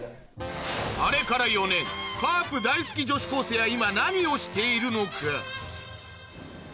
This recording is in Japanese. あれから４年カープ大好き女子高生は今何をしているのか？